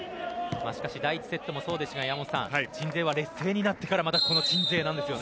しかし、第１セットもそうでしたが鎮西は劣勢になってからの鎮西なんですね。